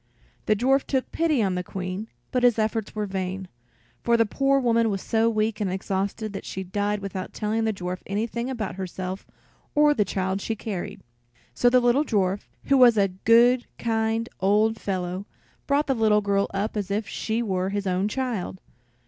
The dwarf took pity on the Queen, but his efforts were vain, for the poor woman was so weak and exhausted that she died without telling the dwarf anything about herself or the child she carried. So the little dwarf, who was a good, kind old fellow, brought the little girl up as if she were his own child.